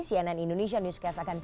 cnn indonesia newscast akan segera